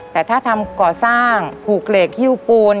แต่ถ้าทำก่อสร้างผูกเหล็กฮิ้วปูน